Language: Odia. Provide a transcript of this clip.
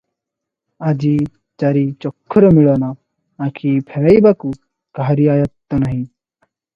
ଆଜି ଚାରି ଚକ୍ଷୁର ମିଳନ, ଆଖି ଫେରାଇବାକୁ କାହାରି ଆୟତ୍ତ ନାହିଁ।